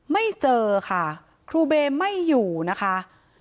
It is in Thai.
ไม่เจอค่ะครูเบย์ไม่อยู่นะคะ